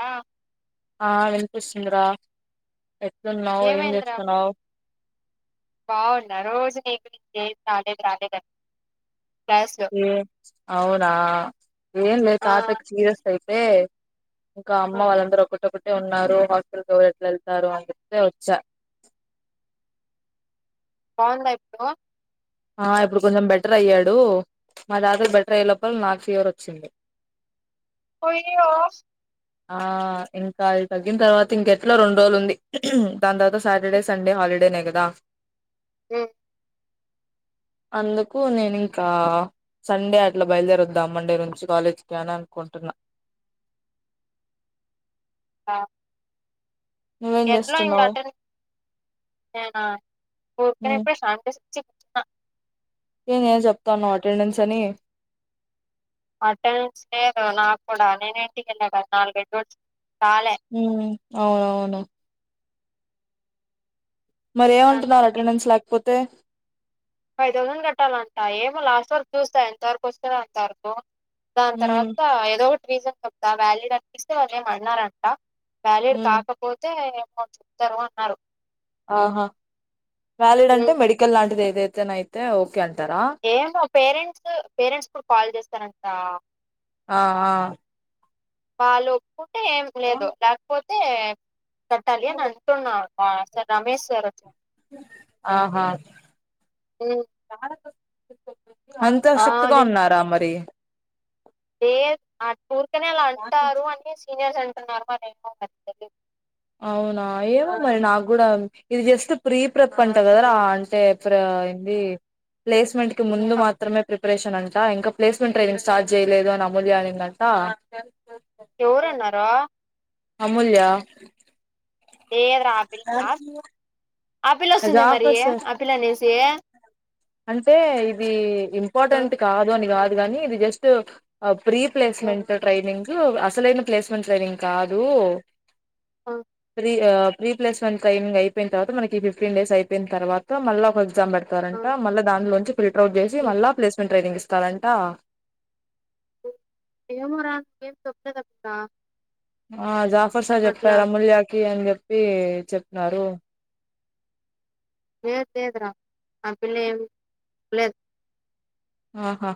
ఆ ఆ వినిపిస్తుందిరా ఎట్లున్నావ్ ఏం ఏమైందిరా చేస్తున్నావ్ బాగున్నా రోజు నీకు రాలే రాలేద ఏ అవునా ఏన్ లే ఆ తాతకి సీరియస్ అయితే ఇంకా అమ్మ వాళ్ళందరొకటొకట్ ఉన్నారు హాస్టల్ క్ ఎవరు ఎట్లా ఎళ్తారు అంటే వచ్చా బగుందా ఇప్పుడు ఆ ఇప్పుడు కొంచెం బెటర్ అయ్యాడు మా దాతకి బెటర్ అయ్యే లోపల నాకు ఫివర్ వచ్చింది కొయ్యో ఆ ఇంకా అది తగ్గిన తర్వాత ఇంకెట్లా రెండు రోజులు ఉంది దాని తర్వాత సాటర్డే సండే హాలిడేనే కదా ఉ అందుకు నేను ఇంకా సండే అట్లా బయలుదేరద్దాం మండే నుంచి కాలేజ్కి అని అనుకుంటున్నా ఆ నువ్వేం ఎట్లా ఇంగ చేస్తున్నావు అటన్ ఊర్కనే పోయ్ చెప్ ఎ నేను చెప్తాన్నావ్ అటెండెన్స్ అని అటెనెస్ లేదు నాకు కూడా నేనేంటికెళ్ళా కదా నాలుగైదు రోజ్ ఊ అవును మరి ఏమంటున్నారు అందుకే అటెండెన్స్ లేకపోతే ఫైవ్ థౌజండ్ కట్టాలంటా ఏమో లాస్ట్ వరకు చూస్తా ఎంత వరకు వస్తే అంత వరకు దాని ఉమ్ తర్వాత ఏదో ఒకటి రీజన్ చెప్తా వ్యాలిడ్ అనిపిస్తే వాళ్ళు ఏమన్నరంట వ్యాలిడ్ ఉమ్ కాకపోతే ఏమౌంట్ చెప్తారు అన్నారు ఆహా వ్యాలిడ్ అంటే మెడికల్ లాంటిది ఏదైతేన అయితే ఓకే అంటారా ఏమో పేరెంట్స్ పేరెంట్స్ కూడా కాల్ చేస్తారంట ఆ ఆ వాళ్ళ ఒప్పుకుంటే ఏం లేదు లేకపోత్ కట్టాలి అని అంటున్నారు సార్ రమేష్ సార్ ఆహా "ఉమ్, అంత ఆ స్ట్రిక్ట్ గా ఉన్నారా మరి ఏ ఆ టూర్కనే అలా అంటారు అనేసి సీనియర్స్ అంటున్నారు మరె [unintelligible] అవునా ఏమో మరి నాగూడా ఇది జస్ట్ ప్రీ ప్రెప్ అంట కదరా అంటే ప్ర అయింది ప్లేస్మెంట్ కి ముందు మాత్రమే ప్రిపరేషన్ అంట ఇంకా ప్లేస్మెంట్ ట్రైనింగ్ స్టార్ట్ చేయలేదు అని అమూల్య అనింది అంట ఆ ఎవరు అన్నారో అమూల్యా ఏద ఆపిల్ ఆపిల్ అది వస్తుంది మరి ఆఫర్ సార్ ఆపిల్ అనేసి అంటే ఇది ఇంపార్టెంట్ ఆ, కాదు అని కాదు కాని ఇది జస్ట్ ప్రీ ఆ, ప్లేస్మెంట్ ట్రైనింగ్ అసలైన ప్లేస్మెంట్ ట్రైనింగ్ కాదు ఆ ప్రీప్లేస్మెంట్ ట్రైనింగ్ అయిపోయిన తర్వాత మనకి ఫిఫ్టీన్ డేస్ అయిపోయిన తర్వాత మళ్ళ ఒక ఎగ్జామ్ పెడతారంట ఉమ్, మల్లా దాలోంచి ఫిటర్ అట్ చేసి ఉమ్, మళ్ళ ప్లేస్ మెంట్ ట్రైనింగ్ ఇస్ వస్తారంట ఎమోరా గేమ్ సప్డ కప్పతా ఆ జాఫర్ సార్ చెప్పారు అమూల్యాకి అని చెప్పి చెప్తారు ఏ లేదు రా ఆ పిల్ల ఏం లేదు ఆహా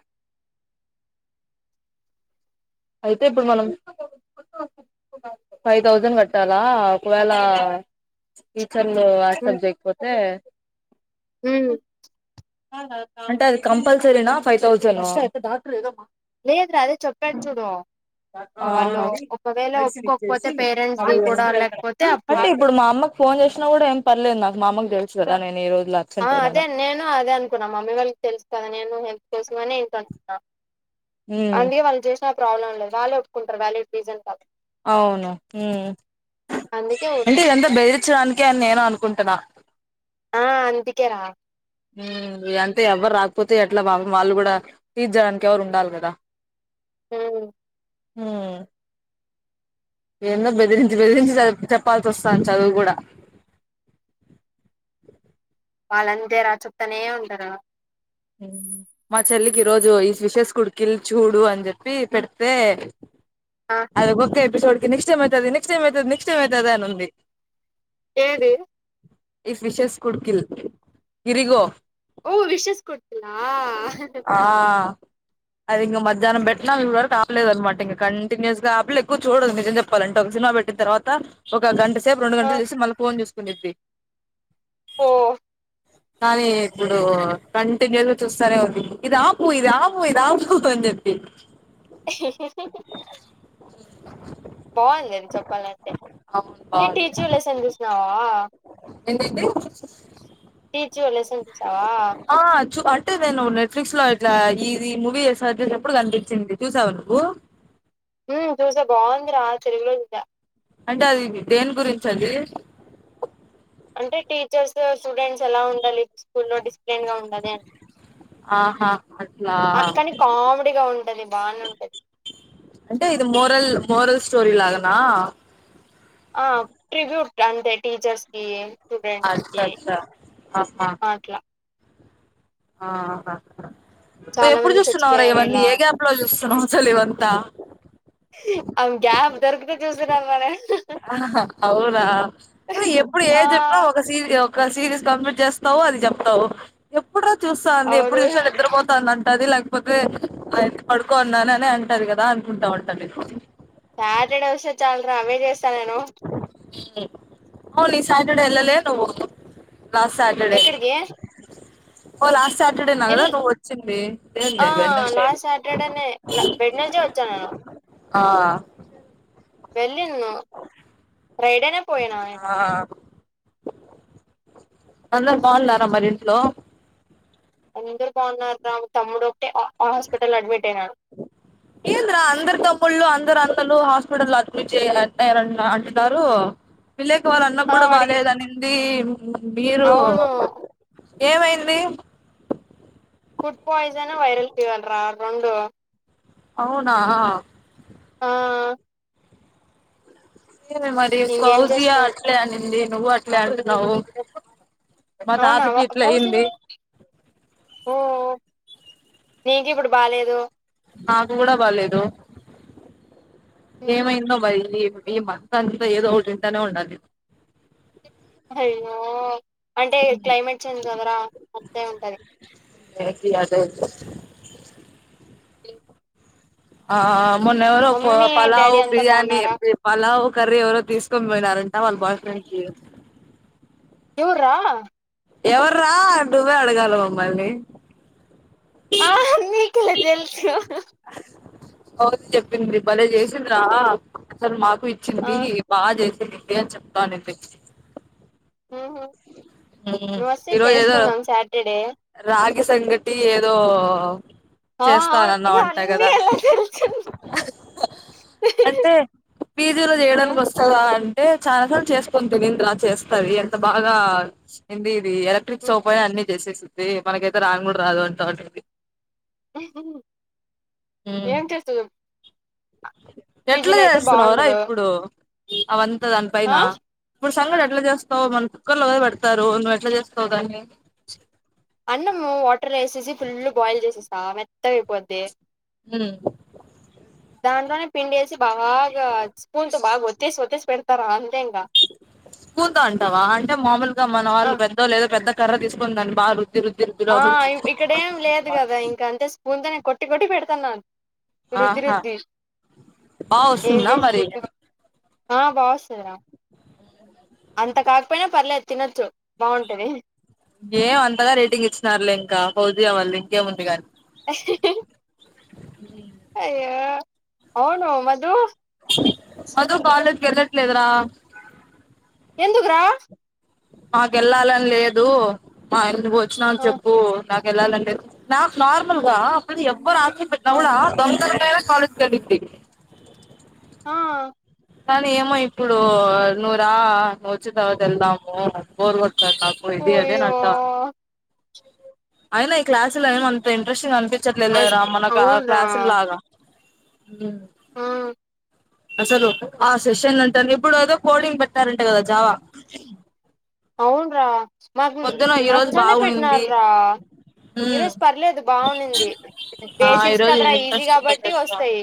అయితే ఇప్పుడు మనం ఫైవ్ థౌజండ్ కట్టాలా ఒకవేళ చల్ యాక్సెప్ట్ జేయకపోతే ఉ అంటే అది కంపల్సరినా ఫైవ్ తౌసండ్ లేదు రా అదే చెప్పే చూడు వాళ్ళు ఒకవేళ మెడిసిన్ ఒప్పుకోకపోతే ఇచ్చేసి పేరెంట్స్ తీ ది కూడా లేకపోతే అప్పుడు అంటే ఇప్పుడు మా అమ్మ ఫోన్ ఫోన్ చేసినా కూడా ఏం పర్లేదు నాకు మా అమ్మకు తెలుసు కదా నేను ఈ రోజు ఆ అదే నేను అదే అనుకున్నా మమ్మీ వాళ్ళకి తెలుసు కదా నేను హెల్ప్ కోసంని ఇంటున్నా ఉమ్, అంటే వాళ్ళు చేసినా ప్రాబ్లం లేదు వాళ్లే ఒప్పుకుంటారు వాలీడ్ రీజన్ కాదు అవును ఉమ్ అందుకే అంటే ఊరుకనే ఇదంతా అయిపోయారు బెదిర్చడానికే అని నేను అనుకుంటున్నా ఆ అందుకేరా అంతే ఎవ్వరు రా పోతే ఎట్లా వాళ్ళు కూడా తీర్చడానికి ఎవరు ఉండాలి కదా ఉ హు ఏన్నో బెదిరించి బెదిరించి చెప్పాల్సి వస్తాంది చదువు కూడా వాళ్ళంతే రా చెప్తానే ఉంటారు మా చెల్లికి ఈ రోజు ఈ విశేస్ కుడికిలు చూడు అని చెప్పి పెడితే ఆ అది ఒక్కక్క ఎపిసోడ్కి నెక్స్ట్ ఏం అయితాది నెక్స్ట్ ఏమి అయితది నెక్స్ట్ టైం అయితది అని ఉంది ఏది ఈ విషెస్ కుడుకిల్ కిరిగో ఓ విశేస్ కొ ఆ అది ఇంకా మధ్యానం పెట్టినా ఇ వరకు ఆపలేద అనమాట ఇంక కంటిన్యూస్గా ఆపిల్ల ఎక్కువ చూడదు నిజం చెప్పాలంటే సినిమా పెట్టిన తర్వాత ఒక గంట సేపు రెండు ఆ గంటలు చూసి మల్ల ఫోన్ చూసుకునిద్ది ఓ కానీ ఇప్పుడు క దులు చూస్తానే ఉంది ఇది ఆపు ఇది ఆపు ఇది ఆపు అని చెప్పి అ బాగుంది చెప్పాలంటే అవును నీ బాగుంది టీచింగ్ లెసన్ చూసినావా ఏంటంటే టీచింగ్ లెసన్ చూసావా ఆ అంటే నేను నెట్ఫ్లిక్స్ లో ఇట్లా ఇది మూవీ చేసా ఎప్పుడు కనిపించింది చూసావ నువ్వు ఉ చూసా బాగుంది రా తెలుగులోజుస అంటే అది దేని గురించి అండి అంటే టీచర్స్ స్టూడెంట్స్ ఎలా ఉండాలి స్కూల్లో డిసిప్లిన్ గా ఉండద ఆహా అట్లా అని కానీ కామెడీగా ఉంటది బానే ఉంటది అంటే ఇది మోరల్ మోరల్ స్టోరీ లాగానా ఆ ట్రిబ్యూట్ అంతే టీచర్స్ కి స్టూడెంట్స్ అచ్చా కి అచ్చా ఆహా మాట్లా ఆహా చాలా ఎప్పుడు మంది చూస్తున్నావురా చచ్చిపోయారు ఇవన్నీ ఇలా ఏ అని గ్యాప్ లో చూస్తున్నా చలివంత అ గ్యాప్ దొరికితే చూసిన మన అవునా అ ఎప్పుడు ఆ ఏం చెప్పిన ఒక సీరి ఒక సిరీస్ కంప్లీట్ చేస్తావు అది చెప్తావు ఎప్పుడు చూస్తా అంది ఎప్పుడు అవును చూసా నిద్రపోతాంది ది లేకపోతే అయితే పడుకోన్నాను అని అంటాది కదా అనుకుంటా ఉంటఅండి సాటర్డే వస్తే చాలురా అవే చేస్తా నేను అవును ఈ సాటర్డే ఎల్లలే నువ్వు లాస్ట్ ఎక్కడికి సాటర్డేలాస్ సాటర్డే నా ఎల్ కదా నువ్వు వచ్చింది లేద్ ఆ లేదు వెే చనా ఆ వెళ్ళంది మా రైడిన ఆ అందరు బాగున్నారా మరి ఇంట్లో అందరు బాగున్నారు రాము తమ్ముడు ఒకటే హాస్పిటల్లో అడ్మిట్ అయినాడు ఏందిరా అందరు తమ్ముళ్ళలు అందరు అందలు హాస్పిటల్లో అడ్మిట్ చేయయ అంటరు పిళ్ళకి వాళ్ళు అన్న ఆ కూడా వాడికి బాలేదనింది మీరు అవును ఏమైంది? ఫుడ్ ఫాయిజన్, వైరల్ ఫీవర్ రా రెండు అవునా ఆ నేనన్ మరి ఇంకేం కౌజియా చేస్తాం అట్లే అనింది నువ్వు అట్లే అంటూన్నావు. అవునా వా ఫోజియో ఊ నీకు ఇప్పుడు బాలేదు నాకు కూడా బాలేదు ఏమైందో మరి నీకు? మీ మంతా ఏదో ఒకటి ఇంటానే ఉండాలి నేను అయ్యో అంటే క్లైమేట్ చేంజ్ కదరా అంతే ఉంటది. ఎనికి అదే ఆ మొన్న ఏవరు ఫో మమ్మీ పాలావు డాడీ అంతా బిరియనీ బాగున్నారా పాలావు కర్రీ ఎవరో తీసుకొని పోయినారంట వాళ్ళ బాయ్ ఫ్రెండ్కి ఎవర్రా ఎవ్రా నువ్వే అడగాల మమ్మల్ని ఆ నీకేల తెల్సు ఫోజీ చెప్పందీ భలే చేసింద్రా అసలు మాకు ఆ ఇచ్చింది బాగా చేసిందింది అని చెప్తానండి. ఉహు నువ్ వస్తే రోజు ఏదో చేసుకుందాం సాటర్డే రాగి సంగటి ఏదో ఆ అవును చేస్తానన్నావు ఇక అంట అన్నీ కదా ఎలా తెలుసు అంటే పీజీలో చేయడానికి వస్తదా అ అంటే చాలా సార్లు చేసుకుని తినింది రా చేస్తది ఎంత బాగా ఇది ఇది ఎలక్ట్రిక్ సోఫ అయి అన్ని చేసేసింది. మనకైతే రాను కూడా రాదు అంటా అది హ్హ్హ్ ఏం చేస్తు చేప్పు ఎట్లా చేస్తున్నావురా బాగుండదు ఇప్పుడు అవంతా దాని పైన ఆ ఇప్పుడు సంగటి ఎట్లా చేస్తావు మన కుుక్కర్లోద పెడతారు నువ్వు ఎట్లా చేస్తావు దాన్ని? అన్నము వాటర్ వేసేసి ఫుల్ బాయిల్ చేసేస్త మెత్తగా అయిపోద్ది. హ దాంట్లోనే పిండి వేసి బాగా స్పూన్ త బాగా స్పూన్ తో బాగా వత్తేేసి వత్తేసి పెడతార బుతు అంటావా అంటే మామూలుగా మన ఆ వాళ్ళు పెద్దోలు ఏదో పెద్ద కర్ర తీసుకుని దాన్ని బాగా రు ఆ ఇక్కడ ఏం లేదు కదా ఇంకా అంటే స్పూన్ తోనే కొట్టి కొట్టి పెడుతున్నాను. రుద్ధి ఆహా రద్ధి బాగా ఏం వస్తుందా మరి చేస్తున్నావ్ ఆ బా వస్తది నాకు అంత కాకపోయినా పర్లేదు తినొచ్చు బావుంటది. ఏం అంతగా రేటింగ్ ఇచ్చినారులే ఇంక పౌజీయ వాళ్ళది. ఇంకేముంది కానీ అహ్హ్హ్ అయ్య అవును మధు మధు కాలేజ్కి ఎల్లట్లేదరా? ఎందుకురా? మాకెళ్ళాలని లేదు మా ఎందుకు వచ్చినా అని ఆ చెప్పు నాకు వెళ్ళాలని లేదు. నాకు నార్మల్ గా అప్పుడు ఎవ్వరు ఆశచయ పెట్టిన ఆ కూడా దొంగ తైనా కాలేజ్కి ఎల్లిద్ది ఆ కానీ ఏమో ఇప్పుడు నూరా వచ్చిన తర్వాత వెళ్దాము బోరు నా కాకు ఇది అదే అయ్యో నాంటా అయినా ఈ క్లాసులో ఏమంత ఇంట్రెస్టింగ్ అనిపి చ్చట్లు అస్ వెళ్ళారు మనకు ఆ అవునురా క్లాసులు లాగా ఆ అ రక ఆ సెషన్ అంటారు ఇప్పుడు ఏదో కోడింగ్ పెట్టారంట కదా జావా అవును రా మాకు పొద్దున ఈ రోజు నచ్చందే పెట్టినార బాగునింది రా ఈ ఉమ్ రోజు పర్లేదు బాగుంది ఆ బేసిక్స్ ఈరోజు కదరా ఈజీ కాబట్టి వస్తయ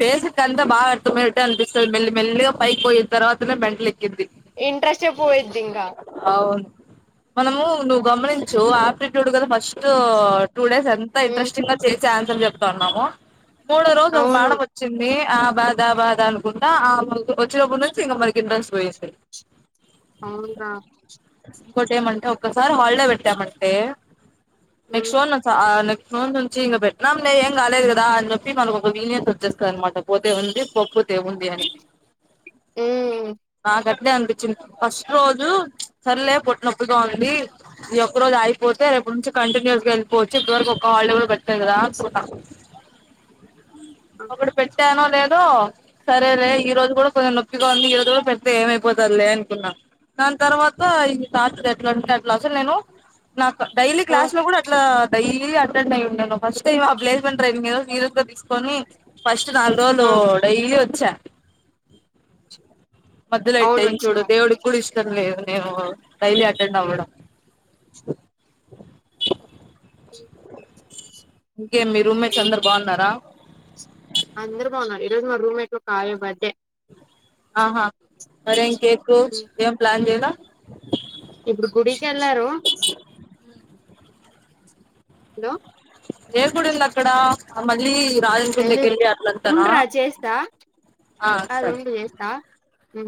బేసికి అంత బాగా అర్థమయిట్టే అనిపిస్తు మెల్ మెల్లిగా పైకి పోయి తర్వాతనే మెంట్లకి ఇంట్రెస్టే పోయిద్ది ఇంకా అవును మనము నువ్వు గమనించు ఆప్టిట్యూడ్ కదా ఫస్ట్ టూ డేస్ ఎంత ఉమ్, ఇంట్రెస్టింగ్ గా చేసి ఆన్సరు చెప్తాన్నాము మూడో రోజు ఒక అవును మేడం వచ్చింది ఆ బాధ బాధ అనుకుంటా ఆ వచ్చినపుడు నుంచి ఇంక మనకి ఇంట్రెస్ట్ పోయింది అవునుగా ఇంకోటి ఏమంటే ఒక్కసార్ హాలిడే పెట్టామంటే ఉమ్, నెక్స్ట్ రోజు నుంచి ఆ నెక్స్ట్ ఫోన్ నుంచి ఇంక పెట్నాంలే ఏం కాలేదు కదా అని చెప్పి మనకు ఒక లీనియన్స్ వచ్చేస్తుంది అనమాట పోతే ఉంది ఉంది అని ఉమ్, ఆ నాకు అట్లే అనిపించింది ఫస్ట్ రోజు సరేలే పుట్టనొప్పిగా ఉంది ఈ ఒక్కరోజు అయిపోతే రేపుటి నుంచి కంటిన్యూస్గా వెళ్ళిపోచ్చు ఇప్పడివరకు ఒక వాళ్ళ కూడ బట్టద పో ఒకడు పెట్టానో లేదో సరేలే ఈరోజు కూడా కొంచెం నొప్పిగా ఉంది ఈ రోజు కూడా పెడితే ఏమైపోతది లే అనుకున్నా దాన్ తర్వాత ఎట్లాంటే అట్లా అసలు నేను నాకు డైలీ ఆ, క్లాస్ లో కూడా అట్లా డైలీ అ ను ఫస్ట్ టైమ్ ప్లేస్మెంట్ ట్రైనింగ్ ఏదో నీరుగా తీసుకొని ఫస్ట్ నాలుగు రోజులు ఆ, డైలీ వచ్చా మొదలు ఎట్ట అవును ఇం చూడు వచ్చినావు దేవుడికి కూడా ఇష్టం లేదు నేను డైలీ అటెండ్ అవ్వడం ఇంకేం మీ రూమెట్స్ అందరు బాగున్నారా అందరు బాన్నరు ఇరోజు మా రూమ్మేట్ కావ్య బర్డే ఆహా అరే ఇ కేకు ఉమ్, ఏం ప్లాన్ చేయలా ఇప్పుడు గుడికి వెళ్ళారు హలో నేను కుడల్ అక్కడ మళ్ళి తెలిదు ఉండ్రా జేసా ఆ కాదు సరే ఉండు చేస్తా ఉ